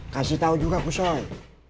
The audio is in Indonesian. kasih tau juga pusoi